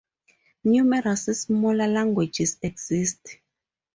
Numerous smaller languages exist.